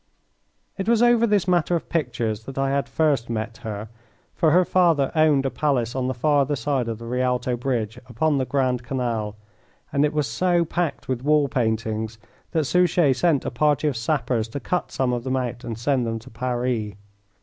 It was over this matter of pictures that I had first met her, for her father owned a palace on the farther side of the Rialto Bridge upon the Grand Canal, and it was so packed with wall paintings that Suchet sent a party of sappers to cut some of them out and send them to Paris.